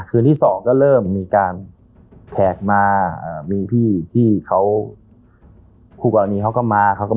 คืนที่สองก็เริ่มมีการแทกมาอ่ามีพี่พี่เขาคู่กับอันนี้เขาก็มา